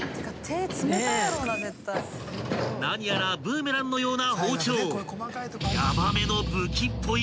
［何やらブーメランのような包丁］